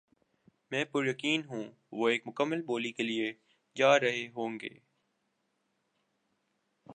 میں پُریقین ہوں وہ ایک مکمل بولی کے لیے جا رہے ہوں گے